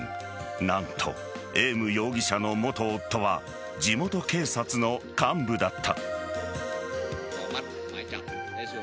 何と、エーム容疑者の元夫は地元警察の幹部だった。